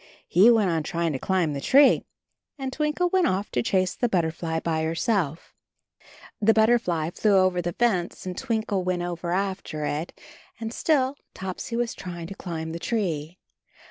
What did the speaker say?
He went on trying to climb the tree, and Twin kle went off to chase the butterfly by herself. 68 CHARLIE The butterfly flew over the fence, and Twin kle went over after it — and still Topsy was trying to climb the tree.